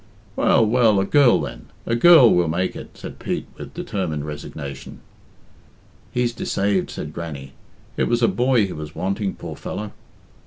"Well, well, a girl, then a girl we'll make it," said Pete, with determined resignation. "He's deceaved," said Grannie. "It was a boy he was wanting, poor fellow!"